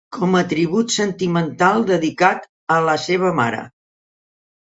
Com a tribut sentimental dedicat a la seva mare